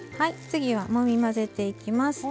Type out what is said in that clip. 次はもみ混ぜていきます。